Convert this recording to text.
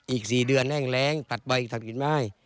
อีก๔เดือนแห้งแรงตัดใบทำกินไม่ให้